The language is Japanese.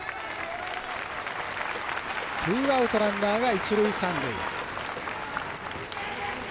ツーアウトランナーが一塁、三塁。